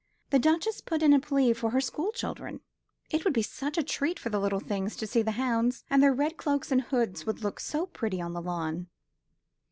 The Duchess put in a plea for her school children. It would be such a treat for the little things to see the hounds, and their red cloaks and hoods would look so pretty on the lawn.